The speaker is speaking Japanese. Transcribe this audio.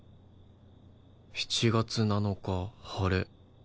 「７月７日はれ」